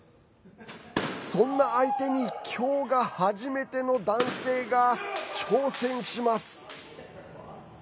そんな相手に今日が初めての男性が挑戦します。